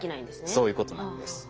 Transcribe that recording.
そういうことなんです。